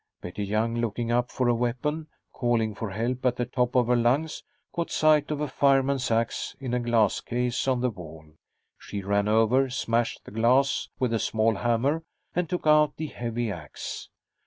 Betty Young, looking about for a weapon, calling for help at the top of her lungs, caught sight of a fireman's ax in a glass case on the wall. She ran over, smashed the glass with the small hammer, and took out the heavy ax.